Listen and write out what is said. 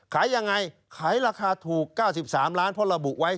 ขายยังไงขายราคาถูก๙๓ล้านเพราะระบุไว้